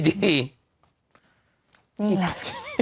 นี่แหละ